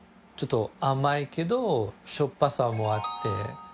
ちょっと甘いけどしょっぱさもあって。